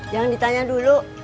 jangan ditanya dulu